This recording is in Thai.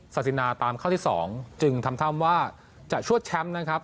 ศินาตามข้อที่๒จึงทำท่ามว่าจะชวดแชมป์นะครับ